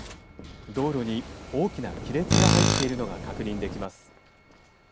道路に大きな亀裂が入っているのが確認できます。